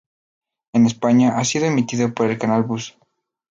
En España ha sido emitido por el canal Buzz.